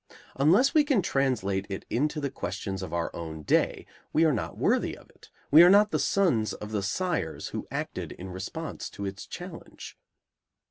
Unless we can translate it into the questions of our own day, we are not worthy of it, we are not the sons of the sires who acted in response to its challenge.